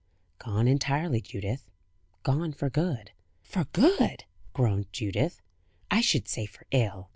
"Gone entirely, Judith. Gone for good." "For good!" groaned Judith; "I should say for ill.